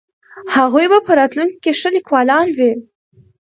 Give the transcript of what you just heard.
هغوی به په راتلونکي کې ښه لیکوالان وي.